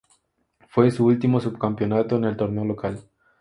Fue su último subcampeonato en el torneo local.